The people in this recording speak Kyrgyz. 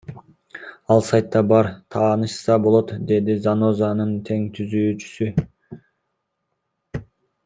Ал сайтта бар, таанышса болот, — деди Занозанын тең түзүүчүсү.